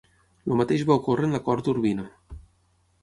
El mateix va ocórrer en la cort d'Urbino.